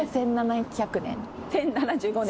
１０７５年。